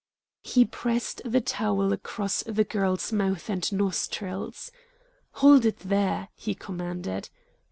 He pressed the towel across the girl's mouth and nostrils. "Hold it there!" he commanded.